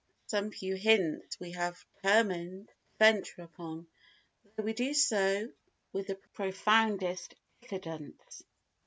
Some few hints we have determined to venture upon, though we do so with the profoundest diffidence.